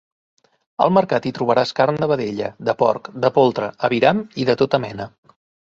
Al mercat hi trobaràs carn de vedella, de porc, de poltre, aviram i de tota mena.